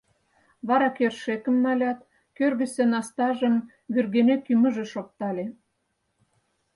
Вара кӧршӧкым налят, кӧргысӧ настажым вӱргене кӱмыжыш оптале.